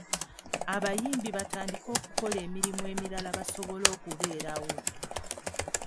Abayimbi batandike okukola emirimu emirala basobole okubeerawo.